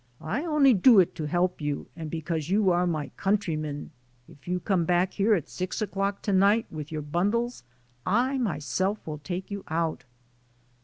I only do it to help you and because you are my countrymen. If you come back here at six o'clock to night with your bundles, I myself will take yo v out."